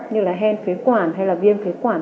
như là hen phế quản hay là viêm phế quản